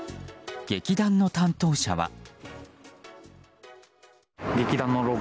劇団の担当者は。